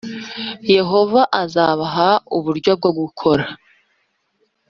Yehova azabaha uburyo bwo gukora